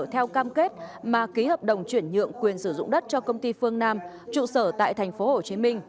theo cam kết mà ký hợp đồng chuyển nhượng quyền sử dụng đất cho công ty phương nam trụ sở tại thành phố hồ chí minh